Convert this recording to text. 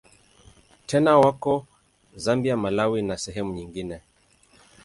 Tena wako Zambia, Malawi na sehemu nyingine.